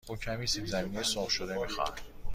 او کمی سیب زمینی سرخ شده می خواهد.